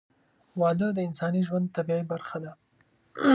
• واده د انساني ژوند طبیعي برخه ده.